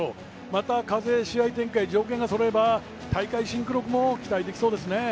また風、試合条件によっては大会新記録も期待できそうですね。